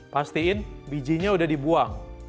pastiin bijinya udah dibuang